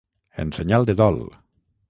En senyal de dol.